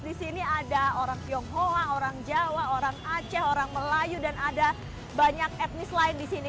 di sini ada orang tionghoa orang jawa orang aceh orang melayu dan ada banyak etnis lain di sini